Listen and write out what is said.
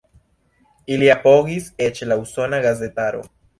Ilin apogis eĉ la usona gazetaro.